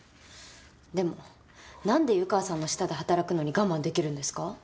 でも何で湯川さんの下で働くのに我慢できるんですか？